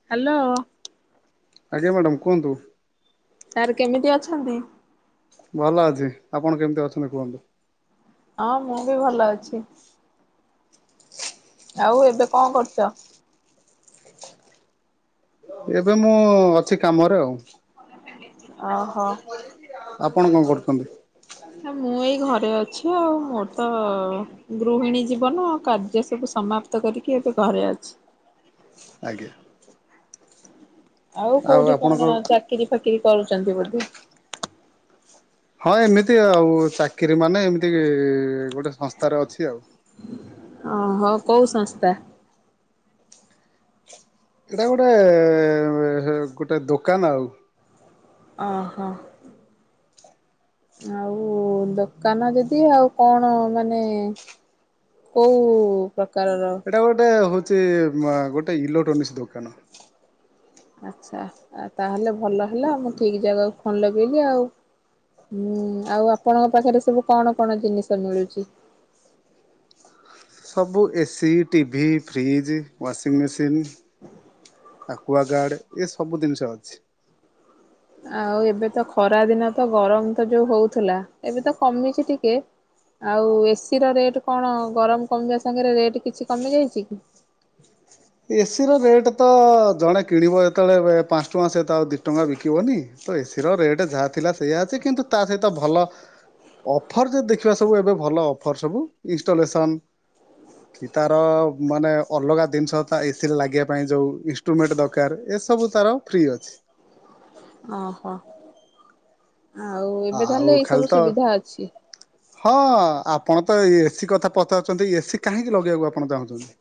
[inaudible] ଆଜ୍ଞା ମ୍ୟାଡ଼ାମ୍ କୁଅନ୍ତୁ। ସାର୍ କେମିତି ଅଛନ୍ତି? ଭଲ ଅଛି, ଆପଣ କେମିତି ଅଛନ୍ତି କୁହନ୍ତୁ? ହଁ! ମୁଁ ବି ଭଲ ଅଛି। ଆଉ ଏବେ ଙ୍କ କରୁଚ? ଏବେ ମୁଁ ଅଛି କାମରେ ଆଉ। ଓହୋ। ଆପଣ କ କରୁଛନ୍ତି? ମୁଁ ଏଇ ଘରେ ଅଛି ଆଉ। ମୋର୍ ତ ଗୃହିଣୀ ଜୀବନ, କାର୍ଯ୍ୟ ସବୁ ସମାପ୍ତ କରିକି ଏବେ ଘରେ ଅଛି। ଆଜ୍ଞା। ଆଉ କୋଉଠି କଣ ଚାକିରି ଫାକିରି କରୁଛନ୍ତି ବୋଧେ? ହଁ ଏମିତି ଆଉ ଚାକିରି ମାନେ ଏମିତି ଗୋଟେ ସଂସ୍ଥାରେ ଅଛି ଆଉ। ଅ ହୋ କଉ ସଂସ୍ଥା? ସେଟା ଗୋଟେ ଗୋଟେ ଦୋକାନ ଆଉ। ଅ ହୋ। ଆଉ ଦୋକାନ ଦିଦି ଆଉ କଣ ମାନେ। କୋଉଁ ପ୍ରକାରର? ଏଇଟା ଗୋଟେ ହୋଉଛି ଗୋଟେ ଇଲୋକ୍ଟ୍ରୋନି ଦୋକାନ। ଆଚ୍ଛା ତାହେଲେ ଭଲ ହେଲା ମୁଁ ଠିକ ଜାଗାକୁ ଫୋନ୍ ଲଗେଇଲି ଆଉ। ହୁଁ ଆଉ ଆପଣଙ୍କ ପାଖରେ ସବୁ କଣ କଣ ଜିନିଷ ମିଳୁଛି? ସବୁ ଏସି ଟିଭି ଫ୍ରିଜ୍ ୱାସି ମେସିନ୍। ଆକୁୱ ଗାର୍ଡ଼ ଏ ସବୁ ଜିନିଷ ଅଛି। ଆଉ ଏବେ ତ ଖରା ଦିନ ତ ଗରମ ତ ଯୋଉ ହଉଥିଲା ଏବେ ତ କମିଛି ଟିକେ। ଆଉ ଏସିିର ରେଟ୍ କଣ ଗରମ କମିବା ସାଙ୍ଗରେ ରେଟ୍ କିଛି କମିଯାଇଛି କି? ଏସିର ରେଟ୍ ତ ଜଣେ କିଣିବ ଯେତେବେଳେ ପାଞ୍ଚ ଟଙ୍କା ସେତ ଆଉ ଦୁଇ ଟଙ୍କା ବିକିବନି। ତ ଏସିର ରେଟ୍ ଯାହା ଥିଲା ସେଇଆ ଅଛି କିନ୍ତୁ ତା ସହିତ ଭଲ ଅଫର୍ ଯଦି ଦେଖିବା ସବୁ ଏବେ ଭଲ ଅଫର୍ ସବୁ ଇନଷ୍ଟଲେସନ୍ କି ତାର ମାନେ ଅଲଗା ଜିନିଷ। ତା ଏସି ରେ ଲାଗିବା ପାଇଁ ଯୋଉ ଇନଷ୍ଟ୍ରୁମେଣ୍ଟ ଦରକାର ଏସବୁ ତାର ଫ୍ରି ଅଛି। ଓହୋ ଆଉ ଏବେ ଆଉ ତାହେଲେ ଏଇ ଖାଲି ସବୁ ତ ସୁବିଧା ଅଛି? ହଁ ଆପଣ ତ ଏସିି କଥା ପଚାରୁଛନ୍ତି ଏସିି କାହିଁକି ଲଗେଇବାକୁ ଆପଣ ଚାହୁଁଛନ୍ତି?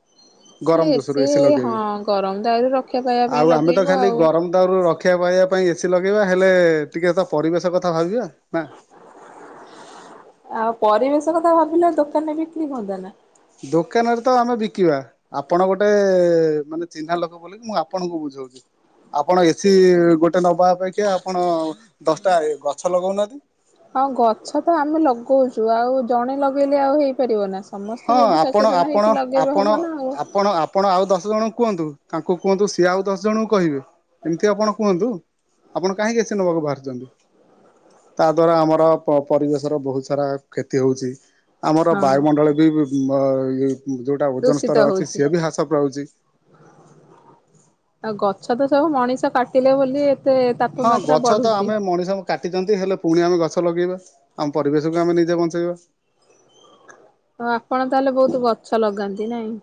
ନାଇଁ ଗରମ ଦୋଷରୁ ଏସି ହଁ ଲଗେଇବେ ଗରମ ଦାଉରୁ ରକ୍ଷା ପାଇବା ପାଇଁ ଆଉ ଆମେ ତ ଲଗେଇବ ଖାଲି ଆଉ। ଗରମ। ତାରୁ ରକ୍ଷା ପାଇବା ପାଇଁ ଏସିି ଲଗେଇବା ହେଲେ ଟିକେ ତା ପରିବେଶ କଥା ଭାବିବା ନା। ଆଉ ପରିବେଶ କଥା ଭାବିଲା ଦୋକାନରେ ବିକ୍ରି ହୁଅନ୍ତାନା? ଦୋକାନରେ ତ ଆମେ ବିକିବା ଆପଣ ଗୋଟେ ମାନେ ଚିହ୍ନା ଲୋକ ମୁଁ ଆପଣଙ୍କୁ ବୁଝଉଛି? ଆପଣ ଏସିି ଗୋଟେ ନବା ଅପେକ୍ଷା ଆପଣ ଦଶଟା ଗଛ ଲଗଉନାହାନ୍ତି? ହଁ ଗଛ ତ ଆମେ ଲଗଉଛୁ ଆଉ ଜଣେ ଲଗେଇଲେ ଆଉ ହେଇପାରିବ ନା। ସମସ୍ତେ ହଁ ଯଦି ଆପଣ ସଚେତନ ଆପଣ ହେଇକି ଲଗାଇବେ ଆପଣ ହେବ ନା ଆଉ। ଆପଣ ଆପଣ ଆଉ ଦଶ ଜଣଙ୍କୁ କୁହନ୍ତୁ ତାଙ୍କୁ କୁହନ୍ତୁ ସିଏ ଆଉ ଦଶ ଜଣଙ୍କୁ କହିବେ ଏମିତି ଆପଣ କୁହନ୍ତୁ। ଆପଣ କାହିଁକି ଏସି ନବା ବାହାରାରୁଛନ୍ତି? ତା ଦ୍ଦ୍ୱାରା ଆମର ପରିବେଶର ବହୁତ ସାରା କ୍ଷତି ହଉଛି। ଆମର ହଁ ବାୟୁମଣ୍ଡଳବି [unintelligible] ଯେଉଁଟା ଓଜନ ଦୂଷିତ ସ୍ତର ଅଛି ହଉଛି। ସିଏ ବି ହ୍ରାସ ରହୁଛି। ଆଉ ଗଛ ତ ସବୁ ମଣିଷ କାଟିଲେ ବୋଲି ଏତେ ହଁ ତାପମାତ୍ରା ଗଛ ତ ବଢୁଛି। ଆମେ ମଣିଷ କାଟିଛନ୍ତି ହେଲେ ପୁଣି ଆମେ ଗଛ ଲଗେଇବା ଆମ ପରିବେଶକୁ ଆମେ ନିଜେ ବଞ୍ଚେଇବା। ହ ଆପଣ ତାହେଲେ ବହୁତ ଗଛ ଲଗାନ୍ତି ନାଇଁ?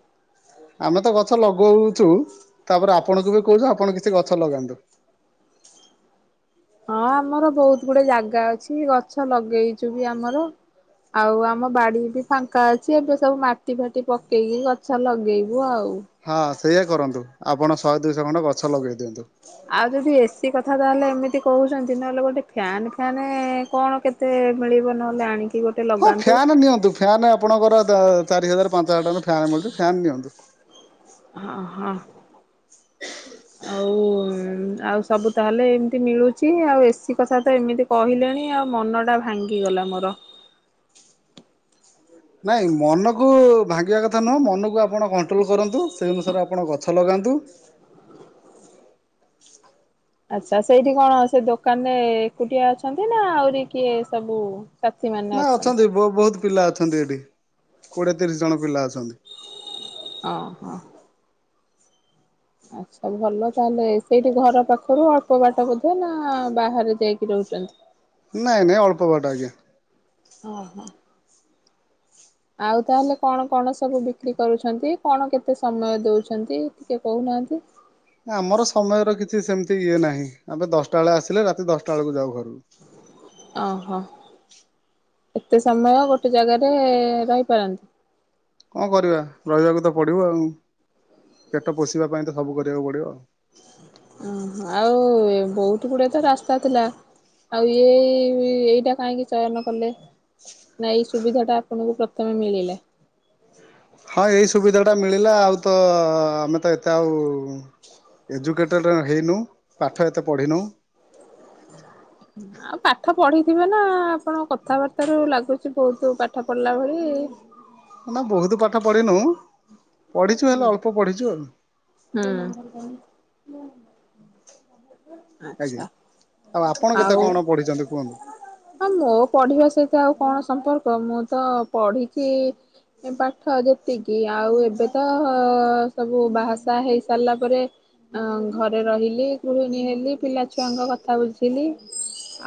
ଆମେ ତ ଗଛ ଲଗଉଛୁ ତାପରେ ଆପଣଙ୍କୁ ବି କହୁଛୁ ଆପଣ କିଛି ଗଛ ଲଗାନ୍ତୁ? ହଁ ଆମର ବହୁତ ଗୁଡେ ଜାଗା ଅଛି ଗଛ ଲଗେଇଛୁ ବି ଆମର। ଆଉ ଆମ ବାଡି ବି ଫାଙ୍କା ଅଛି। ସିଏ ଏବେ ସବୁ ମାଟି ଫାଟି ପକେଇକି ଗଛ ଲଗେଇବୁ ଆଉ। ହଁ ସେଇୟା କରନ୍ତୁ ଆପଣ ଶହେ ଦୁଇଶହ ଖଣ୍ଡ ଗଛ ଲଗେଇ ଦିଅନ୍ତୁ। ଆଉ ଯଦି ଏସିି କଥା ତାହେଲେ ଏମିତି କହୁଛନ୍ତି ନହେଲେ ଗୋଟେ ଫ୍ୟାାନ ଫ୍ୟାନ୍ କଣ କେତେ। ଏତେଳିବ ନହେଲେ ଆଣିକି। ଗୋଟେ ହଁ ଲଗାନ୍ତୁ। ଫ୍ୟାନ୍ ନିଅନ୍ତୁ ଫ୍ୟନ୍ ଆପଣଙ୍କର ଚାରି ହଜାର ପାଞ୍ଚ ହଜାର ଟଙ୍କା ଫ୍ୟାନ୍ ମିଳୁଛି ଫ୍ୟାନ୍ ନିଅନ୍ତୁ। ହଁ ହଁ। ହ। ଆଉ ଆଉ ସବୁ ତାହେଲେ ଏମିତି ମିଳୁଛି ଆଉ ଏସି କଥା ତ ଏମିତି। କହିଲେଣି ଆଉ ମନଟା ଭାଙ୍ଗିଗଲା ମୋର। ନାଇଁ ମନକୁ ଭାଙ୍ଗିବା କଥା ନୁହଁ ମନକୁ ଆପଣ କଣ୍ଟ୍ରୋଲ କରନ୍ତୁ ସେଇ ଅନୁସାରେ ଆପଣ ଗଛ ଲଗାନ୍ତୁ। ଆଚ୍ଛା, ସେଇଠି କଣ, ସେ ଦୋକାନରେ ଏକୁଟିଆ ଅଛନ୍ତି ନା ଆହୁରି କିଏ ସବୁ? ସାଥି ମାନେ ନା, ଅଛନ୍ତି। ବହୁତ ପିଲା ଅଛନ୍ତି ଏଠି। କୋଡିଏ ତିରିଶ ଜଣ ପିଲା ଅଛନ୍ତି। ଓଁ ହଁ। ଆଛା, ଭଲ ତାହେଲେ ସେଇଠି ଘର ପାଖରୁ ଅଳ୍ପ ବାଟ ବୋଧେ ନା ବାହାରେ ଯାଇକି ରହୁଛନ୍ତି? ନାଇଁ ନାଇଁ ଅଳ୍ପ ବାଟ ଆଜ୍ଞା। ହଁ ହଁ। ଆଉ, ତାହେଲେ କଣ କଣ ସବୁ ବିକ୍ରି କରୁଛନ୍ତି? କଣ କେତେ ସମୟ ଦଉଛନ୍ତି? ଟିକେ କହୁନାହାଁନ୍ତି? ଆମର ସମୟର କିଛି ସେମିତି ଇଏ ନାହିଁ। ଆମେ ଦଶଟା ବେଳେ ଆସିଲେ, ରାତି ଦଶଟା ବେଳେ ଯାଉ ଘରକୁ। ଅଁ ହ। ଏତେ ସମୟ ଗୋଟେ ଜାଗାରେ-ଏ ରହିପାରନ୍ତି? କଣ କରିବା? ରହିବାକୁ ତ ପଡ଼ିବ ଆଉ। ପେଟ ପୋଷିବା ପାଇଁ ତ ସବୁ କରିବାକୁ ପଡିବ। ଉଁ ହୁଁ, ଆଉ, ବହୁତ ଗୁଡେ ତ ରାସ୍ତା ଥିଲା। ଆଉ, ଏଇ-ଇ-ଇ, ଏଇଟା କାହିଁକି ଚୟନ କଲେ? ନା, ଏଇ ସୁବିଧା ଟା ଆପଣଙ୍କୁ ପ୍ରଥମେ ମିଳିଲା? ହଁ, ଏଇ ସୁବିଧା ଟା ମିଳିଲା। ଆଉ, ତ ଆମେ ତ ଏତେ ଆଉ ଏଜୁକେଟେଡ଼୍ ହେଇନୁ, ପାଠ ଏତେ ପଢ଼ିନୁଁ। ଆଉ, ପାଠ ପଢିଥିବେ ନା! ଆପଣ କଥାବାର୍ତ୍ତା ରୁ ଲାଗୁଛି ବହୁତ ପାଠ ପଢିଲା ଭଳି। ନା, ବହୁତ ପାଠ ପଢ଼ିିନୁ! ପଢ଼ିଛୁ ହେଲେ ଅଳ୍ପ ପଢ଼ିଛୁ ଆଉ। ହୁଁ। ଆଜ୍ଞା, ଆଉ ଆପଣ କେତେ ଆଉ କଣ ପଢିଛନ୍ତି କୁହନ୍ତୁ? ହଁ, ମୋ ପଢିବା ସହିତ ଆଉ କଣ ସମ୍ପର୍କ? ମୁଁ ତ ପଢିକି ପାଠ ଯେତିକି, ଆଉ ଏବେ ତ ସବୁ ବାହା ସାହା ହେଇ ସାରିଲା ପରେ ଅଁ ଘରେ ରହିଲି, ଗୃହିଣୀ ହେଲି, ପିଲା ଛୁଆଙ୍କ କଥା ବୁଝିଲି,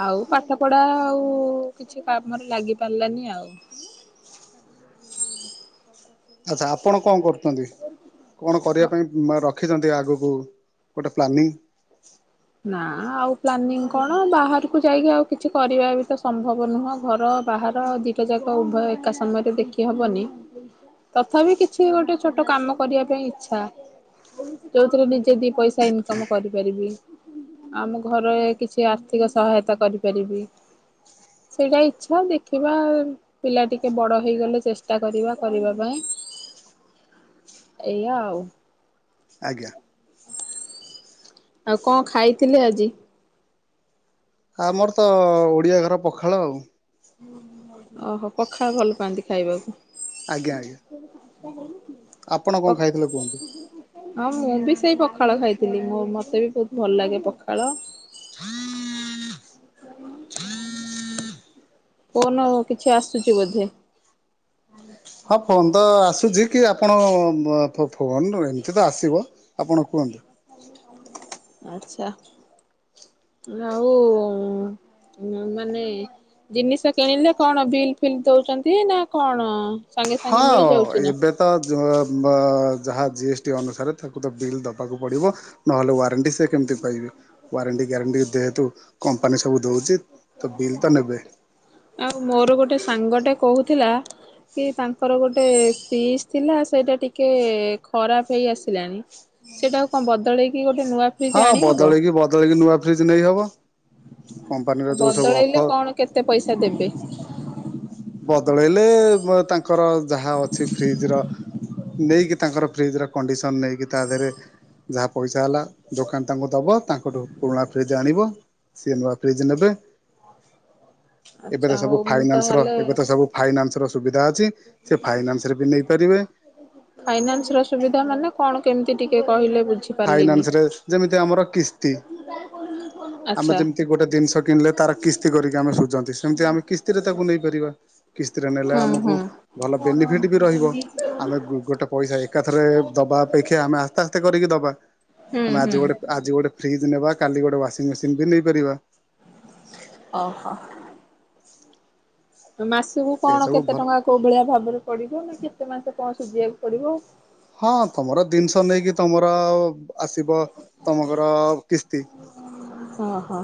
ଆଉ, ପାଠ ପଢା ଆଉ କିଛି କାମରେ ଲାଗି ପାରିଲାନି ଆଉ? ଆଛା, ଆପଣ କଣ କରୁଛନ୍ତି, କଣ କରିବା ପାଇଁ ରଖିଛନ୍ତି ଆଗକୁ ଗୋଟେ ପ୍ଲାନିଂ? ନା, ଆଉ ପ୍ଲାନିଂ କଣ? ବାହାରକୁ ଯାଇକି ଆଉ କିଛି କରିବା ବି ତ ସମ୍ଭବ ନୁହଁ। ଘର ବାହାର ଦିଟା ଯାକ ଉଭୟ, ଏକା ସମୟରେ ଦେଖି ହବନି। ତଥାପି, କିଛି ଗୋଟେ ଛୋଟ କାମ କରିବା ପାଇଁ ଇଚ୍ଛା! ଯୋଉଥିରେ ନିଜେ ଦି ପଇସା ଇନ୍ କମ୍ କରିପାରିବି? ଆମ ଘରେଏ କିଛି ଆର୍ଥିକ ସହାୟତା କରିପାରିବି। ସେଇଟା ଇଚ୍ଛା, ଦେଖିବା-ଆ ପିଲା ଟିକେ ବଡ ହେଇଗଲେ, ଚେଷ୍ଟା କରିବା କରିବା ପାଇଁ। ଆଛ ଏଇଆ ଆଉ। ଆଜ୍ଞା। ଆଉ କଣ ଖାଇଥିଲେ ଆଜି? ଆମର ତ, ଓଡିଆ ଘର ପଖାଳ ଆଉ। ଓହୋ! ପଖାଳ ଭଲ ପାଆନ୍ତି ଖାଇବାକୁ? ଆଜ୍ଞା, ଜ୍ଞା। [inaudible] ଆପଣ ପ କଣ ଖାଇଥିଲେ କୁହନ୍ତୁ? ହଁ, ମୁଁ ବି ସେଇ ପଖାଳ ଖାଇଥିଲି। ମତେ ବି ବହୁତ ଭଲ ଲାଗେ ପଖାଳ। ଫୋନ କିଛି ଆସୁଛି ବୋଧେ! ହଁ, ଫୋନ୍ ତ ଆସୁଛି। କି ଆପଣ-ଅ ଫୋ-ଫୋନ୍ ଏମିତି ତ ଆସିବ। ଆପଣ କୁହନ୍ତୁ। ଆଛା, ଆଉ-ଉଁ ମାନେ, ଜିନିଷ କିଣିଲେ କଣ ବିଲ୍ ଫିଲ୍ ଦଉଛନ୍ତି ନା କଣ? ସାଙ୍ଗେ ସାଙ୍ଗେ ହଁ ମିଳି ଯାଉଛି ନା? ଏବେ ତ ଯ ବ-ଅ-ଯାହା ଜିଏସ୍ ଟି ଅନୁସାରେ ତାକୁ ତ ବିଲ୍ ଦବାକୁ ପଡ଼ିବ? ନହେଲେ ୱାରେଣ୍ଟି ସେ କେମିତି ପାଇବେ? ୱାରେଣ୍ଟି ଗ୍ୟାରେଣ୍ଟି ଯେହେତୁ କମ୍ପାନୀ ସବୁ ଦଉଚି ତ ବିଲ୍ ତ ନେବେ। ଆଉ ମୋର ଗୋଟେ ସାଙ୍ଗଟା କହୁଥିଲା କି ତାଙ୍କର ଗୋଟେ ଫିଜ ଥିଲା ସେଇଟା ଟିକେ ଖରାପ ହେଇ ଆସିଲାଣି। ସେଇଟାକୁ କଣ ବଦଳେଇକି ଗୋଟେ ନୂଆ ଫ୍ରିଜ୍ ହଁ ଆଣିହବ? ବଦଳେଇକି ବଦଳେଇକି ନୂଆ ଫ୍ରିଜ୍ ନେଇହବ କମ୍ପାନୀର ଯୋଉ ସବୁ ବଦଳେଇଲେ ଅଫର୍ କଣ କେତେ ପଇସା ଦେବେ? ବଦଳେଇଲେ ବ ତାଙ୍କ୍ ଙ୍କର ଯାହା ଅଛି ଫ୍ରିଜ୍ ର ନେଇକି ତାଙ୍କର ଫ୍ରିଜ୍ ର କଣ୍ଡିସନ୍ ନେଇକି ତା ଧେରେ। ଯାହା ପଇସା ହେଲା ଦୋକାନ ତାଙ୍କୁ ଦବ ତାଙ୍କଠୁ ପୁରୁଣା ଫ୍ରିଜ୍ ଆଣିବ। ସିଏ ନୂଆ ଫ୍ରିଜ୍ ନେବେ ଏବେ ଆଚ୍ଛା ତ ସବୁ ହଉ ମୁଁ ଫାଇନାନ୍ସ୍ ର। ତାହେଲେ ଏବେ ତ ସବୁ ଫାଇନାନ୍ସ୍ ର ସୁବିଧା ଅଛି ସେ ଫାଇନାନ୍ସ୍ ରେ ବି ନେଇପାରିବେ। ଫାଇନାନ୍ସ୍ ର ସୁବିଧା ମାନେ କଣ କେମିତି ଟିକେ କହିଲେ ବୁଝେ ଫାଇନାନ୍ସ୍ ରେ ଯେମିତି ଆମର କିସ୍ତି। ଆମେ ଆଚ୍ଛା। ଯେମ୍ତି ଗୋଟେ ଜିନିଷ କିଣିଲେ ତାର କିସ୍ତି କରିକି ଆମେ ଶୁଝନ୍ତି ସେମିତି ଆମେ କିସ୍ତିରେ ତାକୁ ନେଇପାରିବା। କିସ୍ତିରେ ନେଲେ ହୁଁ ଆମୁକୁ ହୁଁ ଭଲ ବେନିଫିଟ୍ ବି ରହିବ ଆମେ ଗୋଟେ ପଇସା ଏକାଥରେ ଦବା ଅପେକ୍ଷା ଆମେ ଆସ୍ତେ କରିକି ଦବା ହୁଁ ଆମେ ଆଜି ହୁଁ। ଗୋଟେ ଆଜି ଗୋଟେ ଫ୍ରିଜ୍ ନେବା କାଲି ଗୋଟେ ୱାସିଂ ମେସିନ୍ ବି ନେଇପାରିବା। ଅ ହ। ମାସକୁ ଏ କଣ ସବୁ କେତେ ଭଲ ଟଙ୍କା କୋଉ ଭଳିଆ ଭାବରେ ପଡିବ ନା କେତେ ମାସ କଣ ସୁଝିବାକୁ ପଡିବ ହଁ ତମର ଦିନ୍ଷ ନେଇକି ତମର ଆସିବ ତମଘର କିସ୍ତି। ଅ ହ।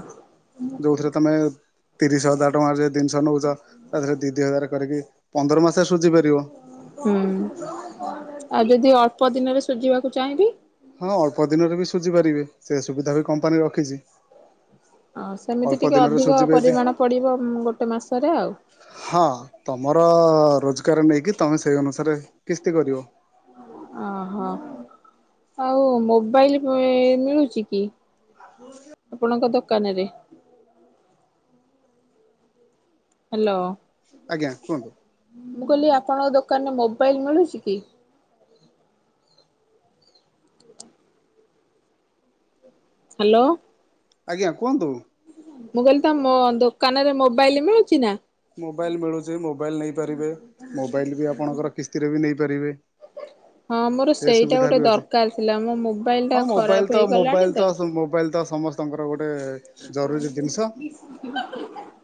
ତିରିଶ୍ ହଜାର୍ ଟଙ୍କାରେ ଜେଦି ଜତିନିଷ ନୋଉଚ ତା ଦେହରେ ଦି ଦି ହଜାର କରିକି ପନ୍ଦର ମାସେ ସୁଝି ପାରିବ। ହୁଁ ଆଉ ଯଦି ଅଳ୍ପ ଦିନରେ ସୁଝିବାକୁ ଚାହିଁବି? ହଁ ଅଳ୍ପ ଦିନରେ ବି ସୁଝି ପାରିବେ ସେ ସୁବିଧା ବି କମ୍ପାନୀ ରଖିଚି। ହଁ ସେମିତି ଟିକେ ଅଧିକ ସୁଝିବେ ଯଦି ପରିମାଣ ପଡ଼ିବ ଗୋଟେ ମାସରେ ଆଉ। ହଁ ତମର ରୋଜଗାର ନେଇକି ତମେ ସେଇ ଅନୁସାରେ କିସ୍ତି କରିବ। ଅ ହଃ ଆଉ ମୋବାଇଲ [unintelligible] ମିଳୁଚି କି ଆପଣଙ୍କ ଦୋକାନରେ? ହ୍ୟାଲୋ। ଆଜ୍ଞା କୁହନ୍ତୁ। ମୁଁ, କହିଲି ଆପଣଙ୍କ ଦୋକାନ ରେ। ମୋବାଇଲ୍ ମିଳୁଛି କି? ହ୍ୟାଲୋ। ଆଜ୍ଞା କୁହନ୍ତୁ। ମୁଁ, କହିଲି ତ ମ ଦୋକାନ ରେ ମୋବାଇଲ୍ ମିଳୁଛି ନା? ମୋବାଇଲ୍ ମିଳୁଚି ମୋବାଇଲ୍ ନେଇପାରିବେ ମୋବାଇଲ୍ ବି ଆପଣଙ୍କର କିସ୍ତିରେ ବି ନେଇପାରିବେ। ହଁ ମୋର ହ [unintelligible] ସେ ସେଇଟା ସୁବିଧା ଗୋଟେ ବି ଅଛି ଦରକାର ଥିଲା ମୋ ମୋବାଇଲ ଟା ହଁ ମୋବାଇଲ୍ ଖରାପ ତ ହେଇଗଲାଣି ମୋବାଇଲ୍ ତ ସ ମୋବାଇଲ୍ ତ ସମସ୍ ତଙ୍କର ଗୋଟେ ଜରୁରୀ ଜିନିଷ। [unintelligible]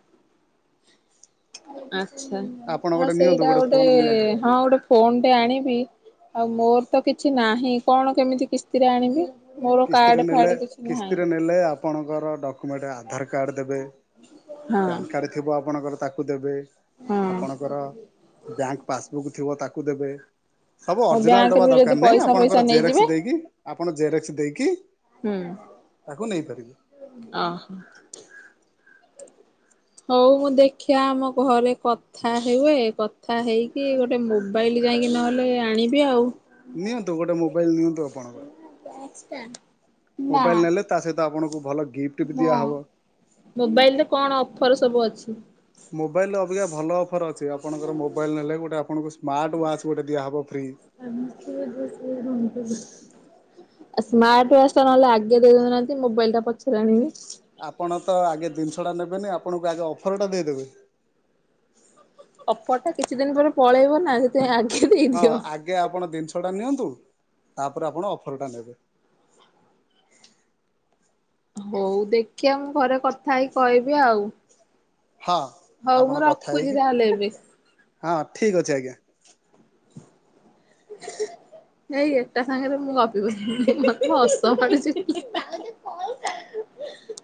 ଆଚ୍ଛା ଆପଣ ହଁ ଗୋଟେ ନିଅନ୍ତୁ ସେଇଟା ଗୋଟେ ଫୋନ ନିଅନ୍ତୁ ହଁ ଗୋଟେ ଫୋନଟେ ଆଣିବି ଆଉ ମୋର ତ କିଛି ନାହିଁ କଣ କେମିତି କିସ୍ତିରେ ଆଣିବି। ମୋର କାର୍ଡ କିସ୍ତିରେ ଫାର୍ଡ ନେଲେ କିଛି ନାହିଁ। କିସ୍ତିରେ ନେଲେ ଆପଣଙ୍କର ଡକୁମେଟେ ଆଧାର କାର୍ଡ ଦେବେ। ହଁ। ପ୍ୟାନ୍ କାର୍ଡ଼ ଥିବ ଆପଣଙ୍କର ତାକୁ ଦେବେ, ହଁ ଆପଣଙ୍କର ବ୍ୟାଙ୍କ୍ ପାସବୁକ୍ ଥିବ ତାକୁ ଦେବେ। ସବୁ ମୋ ଅରିଜିନାଲ୍ ଦବା ବ୍ୟାଙ୍କରୁ ଯଦି ଦରକାର ନାହିଁ। ପଇସା ଫଇସା ଆପଣଙ୍କର ଜେରକ୍ସ ନେଇଯିବେ। ଦେଇକି ଆପଣ ଜେରକ୍ସ ଦେଇ କି ତାକୁ ନେଇପାରିବେ। ଅ ହଁ। ହଉ ମୁଁ ଦେଖିଆ ଆମ ଘରେ କ କଥା ହୁଏ କଥା ହେଇକି ଗୋଟେ ମୋବାଇଲ୍ ଯାଇକି ନହେଲେ ଆଣିବି ଆଉ। ନିଅନ୍ତୁ ଗୋଟେ ମୋବାଇଲ ନିଅନ୍ତୁ ଆପଣଙ୍କର। ପ୍ରାଇସ୍ ଟା? ମୋବାଇଲ ନେଲେ ତା ସହିତ ଆପଣଙ୍କୁ ଭଲ ଗିଫ୍ଟ ବି ମ, ଦିଆହବ ମୋବାଇଲ୍ ରେ କଣ ଅଫର୍ ସବୁ ଅଛି? ମୋବାଇଲ୍ ରେ ଅବିକା ଭଲ ଅଫର୍ ଅଛି। ଆପଣଙ୍କର ମୋବାଇଲ୍ ନେଲେ। ଗୋଟେ ଆପଣଙ୍କୁ ସ୍ମାର୍ଟ ୱାଚ୍ ଗୋଟେ ଦିଆ ହେବ ଫ୍ରି। ସେ ସେ ର [unintelligible] ସ୍ମାର୍ଟ୍ ୱାଚ୍ ନହଲେ ଆଗେ ଦେଇଦଉନାହାନ୍ତି ମୋବାଇଲ ଟା ପଛରେ ଆଣିବେ। ଆପଣ ତ ଆଗେ ଦିନିଷଟା ନେବେନି ଆପଣଙ୍କୁ ଆଗେ ଅଫ୍ରଟା ଦେଇଦେବେ। ଅଫର୍ ଟା କିଛି ଦିନ ପରେ ପଳେଇବ ନା ସେଥିପାଇଁ ଆଜି ଦେଇଦିଅ। ୟା ଆପଣ ଦିନ୍ ଷ ଟା ନିଅନ୍ତୁ, ତାପରେ ଆପଣ ଅଫର୍ ଟା ନେବେ। ହଉ ଦେଖିଆ ମୁଁ ଘରେ କଥା ହେଇକି କହିବି ଆଉ। ହଁ ହଉ ମୁଁ ଆପଣ କଥା ରଖୁଛି ହେଇକି ତାହେଲେ ଏବେ। ହଁ ଠିକ୍ ଅଛି ଆଜ୍ଞା। ହେଇ ଏଟା ସାଙ୍ଗରେ ମୁଁ ଗପି ପାରିବିନି ମତେ ହସ ମାଡୁଚି।